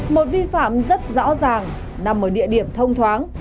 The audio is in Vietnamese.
một vi phạm rất rõ ràng nằm ở địa điểm thông thoáng